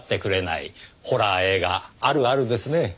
「ホラー映画あるある」ですね。